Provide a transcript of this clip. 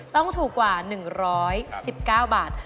ต้องถูกกว่า๑๑๙บาท